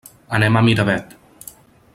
Anem a Miravet.